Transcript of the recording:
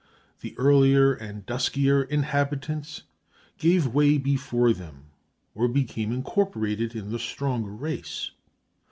The earlier and duskier inhabitants gave way before them or became incorporated in the stronger race.